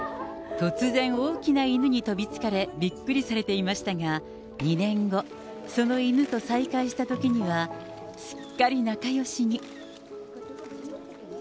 突然、大きな犬に飛びつかれ、びっくりされていましたが、２年後、その犬と再会したときには、すっかり仲よしに。